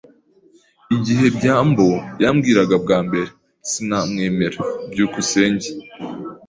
Igihe byambo yambwiraga bwa mbere, sinamwemera. byukusenge